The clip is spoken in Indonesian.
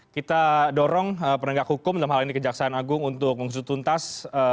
kita dorong penegak hukum dalam hal ini kejaksaan agung untuk mengusutuntas